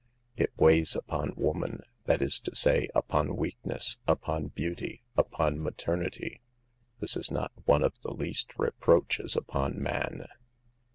" It weighs upon woman, that is to say, upon weakness, upon beauty, upon maternity. This is not one of the least reproaches upon man.